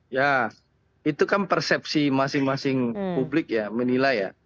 ya itu kan persepsi masing masing publik ya menilai ya